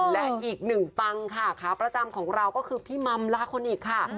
และอีกหนึ่งปังค่ะขาประจำของเราก็คือพี่มัมลาคนอีกค่ะ